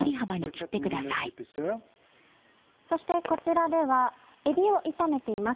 そしてこちらではえびを炒めています。